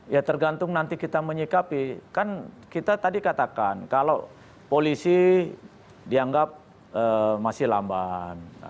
ya tergantung nanti kita menyikapi kan kita tadi katakan kalau polisi dianggap masih lamban